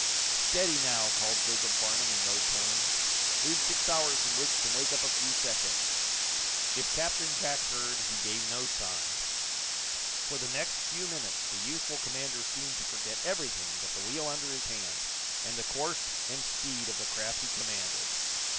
"Steady, now!" called Jacob Farnum, in low tones. "We've six hours in which to make up a few seconds." If Captain Jack heard, he gave no sign. For the next few minutes the youthful commander seemed to forget everything but the wheel under his hand, and the course and speed of the craft he commanded.